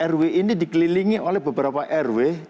rw ini dikelilingi oleh beberapa rw